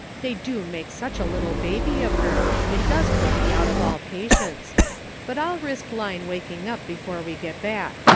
They do make such a little baby of her, it does put me out of all patience ; but I'll risk Line waking up before we get back.